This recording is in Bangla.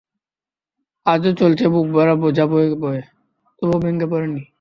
আজ ও চলেছে বুকভরা বোঝা বয়ে বয়ে, তবু ভেঙে পড়ে নি।